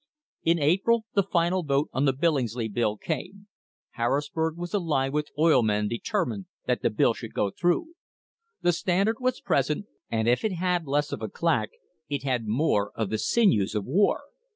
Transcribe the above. In April the final vote on the Billingsley Bill came. Har risburg was alive with oil men determined that the bill should go through. The Standard was present, and if it had [ 123] THE HISTORY OF THE STANDARD OIL COMPANY less of a claque, it had more of the "sinews of war."